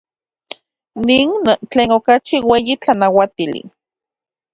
Nin tlen okachi ueyi tlanauatili.